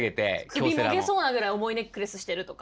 首もげそうなぐらい重いネックレスしてるとか。